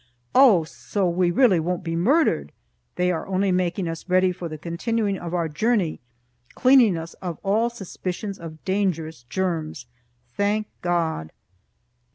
Oh, so we really won't be murdered! They are only making us ready for the continuing of our journey, cleaning us of all suspicions of dangerous germs. Thank God!